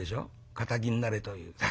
堅気になれという。